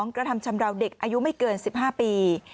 กระทำชำราวเด็กอายุไม่เกิน๑๕ปี